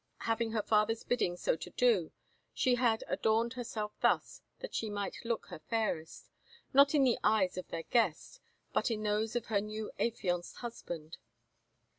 Having her father's bidding so to do, she had adorned herself thus that she might look her fairest, not in the eyes of their guest, but in those of her new affianced husband.